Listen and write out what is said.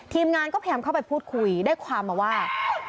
ทีมงานก็พยายามเข้าไปพูดคุยได้ความมาว่า